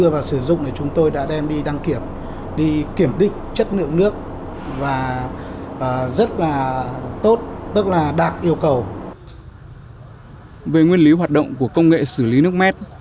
với nguyên lý hoạt động của công nghệ xử lý nước made